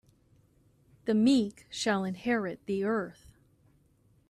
The meek shall inherit the earth.